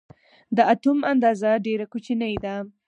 د اتوم اندازه ډېره کوچنۍ ده.